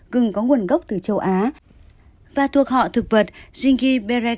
gừng có nguồn gốc từ châu á và thuộc họ thực vật zingiberake